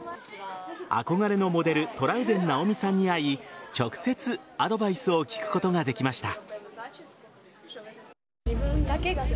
憧れのモデルトラウデン直美さんに会い直接アドバイスを聞くことができました。